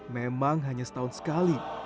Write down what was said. memang hanya setahun sekali